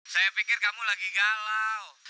saya pikir kamu lagi galau